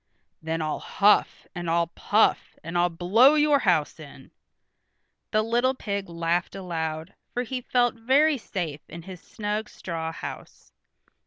"Then I'll huff, and I'll puff, and I'll blow your house in." The little pig laughed aloud, for he felt very safe in his snug straw house.